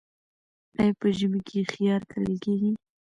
آیا په ژمي کې خیار کرل کیږي؟